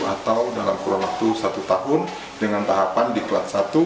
atau dalam kurang lebih satu tahun dengan tahapan diklat satu